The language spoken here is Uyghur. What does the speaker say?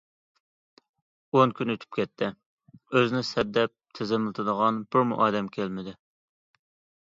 ئون كۈن ئۆتۈپ كەتتى، ئۆزىنى سەت دەپ تىزىملىتىدىغان بىرمۇ ئادەم كەلمىدى.